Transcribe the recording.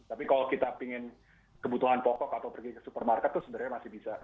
tapi kalau kita ingin kebutuhan pokok atau pergi ke supermarket itu sebenarnya masih bisa